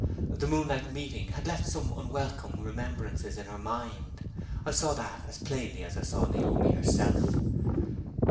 The moonlight meeting had left some unwelcome remembrances in her mind. I saw that as plainly as I saw Naomi herself.